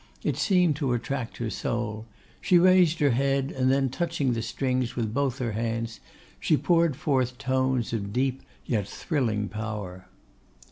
It seemed to attract her soul. She raised her head, and then, touching the strings with both her hands, she poured forth tones of deep, yet thrilling power.